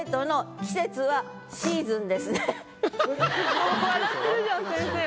もう笑ってるじゃん先生も。